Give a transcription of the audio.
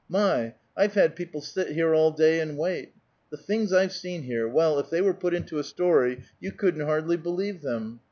My! I've had people sit here all day and wait. The things I've seen here, well, if they were put into a story you couldn't hardly believe them.